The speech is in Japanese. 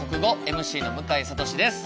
ＭＣの向井慧です。